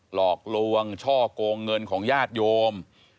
หลอกลวงช่อกงเงินของญาติโยม